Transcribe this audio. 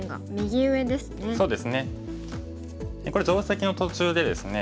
これ定石の途中でですね